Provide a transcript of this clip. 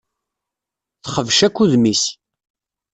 Texbec akk udem-is.